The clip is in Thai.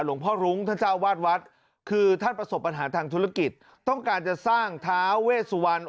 พ่อรุ้งท่านเจ้าวาดวัดคือท่านประสบปัญหาทางธุรกิจต้องการจะสร้างท้าเวสวรรณ